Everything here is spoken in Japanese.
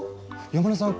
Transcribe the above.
山根さん